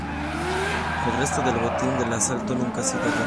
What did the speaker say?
El resto del botín del asalto nunca ha sido hallado.